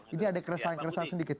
ini ada keresahan keresahan sedikit